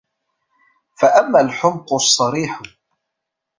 فَأَمَّا الْحُمْقُ الصَّرِيحُ